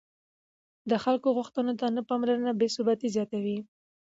د خلکو غوښتنو ته نه پاملرنه بې ثباتي زیاتوي